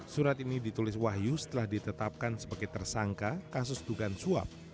surat ini ditulis wahyu setelah ditetapkan sebagai tersangka kasus dugaan suap